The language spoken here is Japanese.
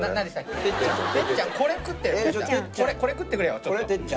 これ食ってくれちょっと。